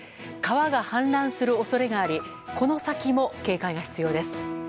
川が氾濫する恐れがありこの先も警戒が必要です。